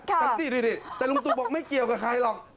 สันติแต่ลุงตู่บอกไม่เกี่ยวกับใครหรอก